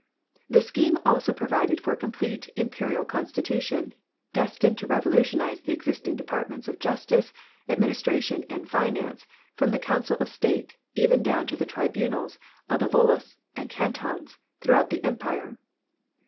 * The l^cheme also provided for a complete imperial constitution, destined to revolutionize the existing departments of Justice, Administration, and Finance, from the Council of State even down to the tribunals of the Volosts, or Cantons, throughout the empire.